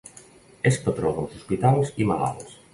És patró dels hospitals i malalts.